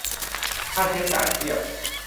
ค่าใช้จ่ายเพียบ